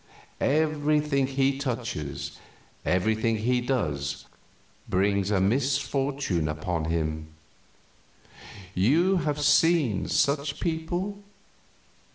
Everything he touches, everything he does, brings a misfortune upon him. You have seen such people?